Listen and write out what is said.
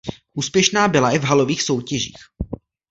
Úspěšná byla i v halových soutěžích.